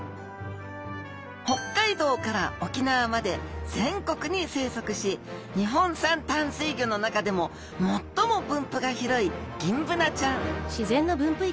北海道から沖縄まで全国に生息し日本産淡水魚の中でも最も分布が広いギンブナちゃん。